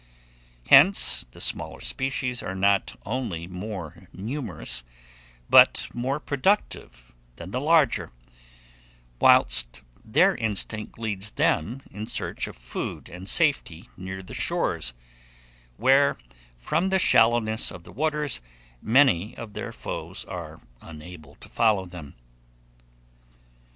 Hence the smaller species are not only more numerous, but more productive than the larger; whilst their instinct leads them in search of food and safety near the shores, where, from the shallowness of the waters, many of their foes are unable to follow them.